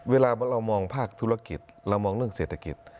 เวลาเรามองภาคธุรกิจเรามองเรื่องเศรษฐกิจ